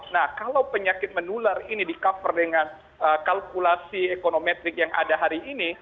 nah kalau penyakit menular ini di cover dengan kalkulasi ekonomi yang ada hari ini